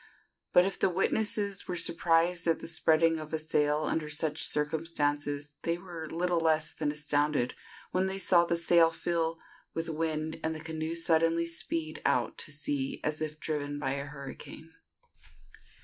But if the witnesses were surprised at the spreading of a sail under such circumstances, they were little less than astounded when they saw the sail fill with wind and the canoe suddenly speed out to sea as if driven by a hurricane.